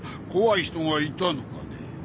怖い人がいたのかね。